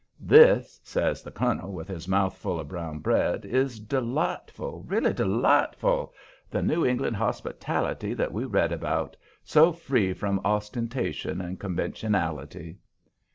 "This," says the colonel, with his mouth full of brown bread, "is delightful, really delightful. The New England hospitality that we read about. So free from ostentation and conventionality."